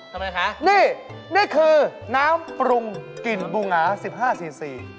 ทำไมคะนี่นี่คือน้ำปรุงกลิ่นบูงงา๑๕ซีซี